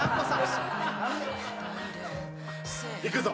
いくぞ。